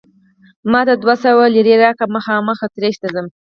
ما ته دوه سوه لیرې راکړه، مخامخ اتریش ته ځم.